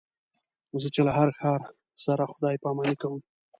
زه چې له هر ښار سره خدای پاماني کوم.